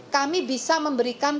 kami bisa memberikan